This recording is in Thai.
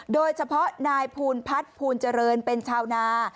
โดยเฉพาะนายภูลพัฒน์ภูลเจริญเป็นชาวนา